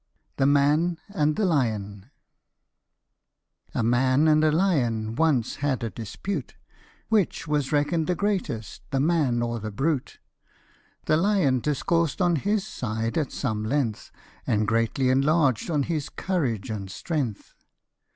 THE MAN AND THE LION r . A MAN and a lion once had a dispute, Which was reckoned the greatest, the man or the brute , The lion discoursed on his side at some length, And greatly enlarged on his courage and strength.